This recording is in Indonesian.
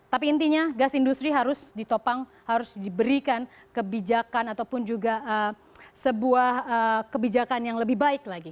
tapi intinya gas industri harus ditopang harus diberikan kebijakan ataupun juga sebuah kebijakan yang lebih baik lagi